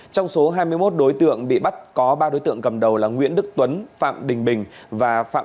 trong số hai mươi một đối tượng bị bắt có ba đối tượng cầm đầu là nguyễn đức tuấn phạm đình bình và phạm